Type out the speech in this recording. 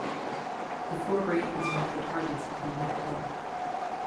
The forebrain is one of the targets of the amygdala.